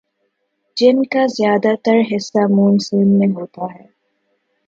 جن کا زیادہ تر حصہ مون سون میں ہوتا ہے